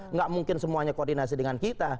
nggak mungkin semuanya koordinasi dengan kita